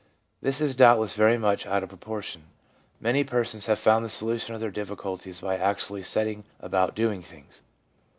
This is doubtless very much out of proportion. Many persons have found the solu tion of their difficulties by actually setting about doing things.